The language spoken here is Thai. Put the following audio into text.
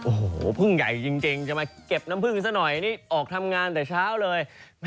โอ้โหพึ่งใหญ่จริงจะมาเก็บน้ำพึ่งซะหน่อยนี่ออกทำงานแต่เช้าเลย